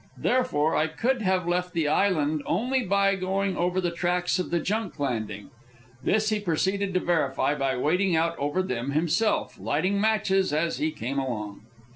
Therefore I could have left the island only by going over the tracks of the junk landing. This he proceeded to verify by wading out over them himself, lighting matches as he came along.